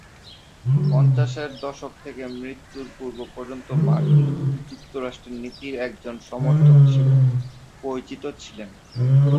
পঞ্চাশের দশক থেকে মৃত্যুর পূর্ব পর্যন্ত মার্কিন যুক্তরাষ্ট্রের নীতির একজন সমর্থক হিসেবে পরিচিত ছিলেন।